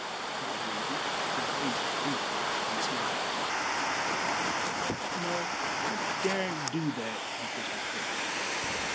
cried Daisy, her face wreathed in smiles. "No. I daren't do that on Christmas Day.